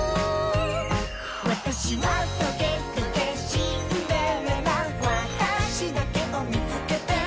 「わたしはトゲトゲシンデレラ」「わたしだけをみつけて」